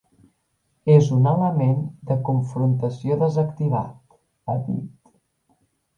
És un element de confrontació desactivat, ha dit.